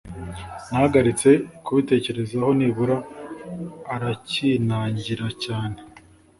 nahagaritse kubitekerezaho. nibura aracyinangira cyane